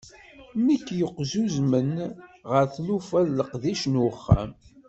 Nekk yeqzuzmen gar tlufa d leqdic n uxxam.